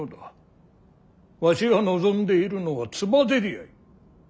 わしが望んでいるのはつばぜり合い。